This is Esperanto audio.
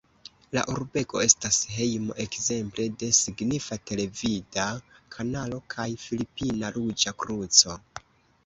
La urbego estas hejmo ekzemple de signifa televida kanalo kaj Filipina Ruĝa Kruco.